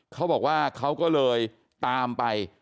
เขาบอกว่าเขาก็เลยตามไป